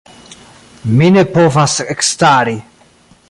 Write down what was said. Mi ne povas ekstari.